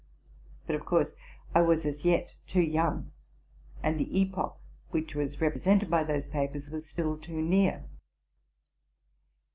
But, of course, I was as yet too young, and the epoch which was represented by those papers was still too near.